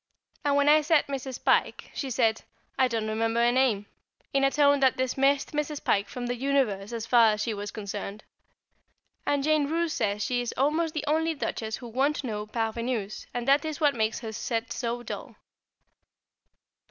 And when I said Mrs. Pike, she said, "I don't remember the name," in a tone that dismissed Mrs. Pike from the universe as far as she was concerned; and Jane Roose says she is almost the only Duchess who won't know parvenues, and that is what makes her set so dull.